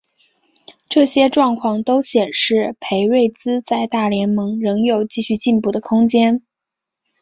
这些状况都显示裴瑞兹在大联盟仍有继续进步的空间。